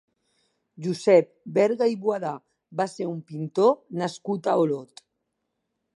Josep Berga i Boada va ser un pintor nascut a Olot.